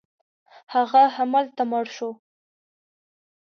هغه همالته مړ شو.